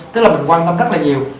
tức là mình quan tâm rất là nhiều